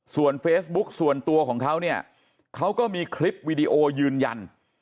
ส่วนเฟซบุ๊กส่วนตัวของเขาเนี่ยเขาก็มีคลิปวิดีโอยืนยัน